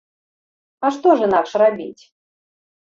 А што ж інакш рабіць?